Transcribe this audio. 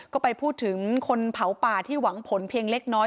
ก็ไปพูดถึงคนเผาป่าที่หวังผลเพียงเล็กน้อย